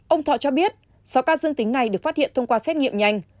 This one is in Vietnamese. ông thọ cho biết sáu ca dương tính này được phát hiện thông qua xét nghiệm nhanh